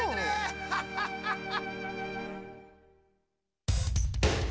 ハハハハ！